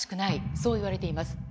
そういわれています。